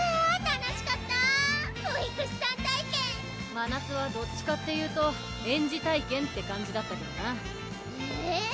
楽しかったぁ保育士さん体験まなつはどっちかっていうと園児体験って感じだったけどなえぇ！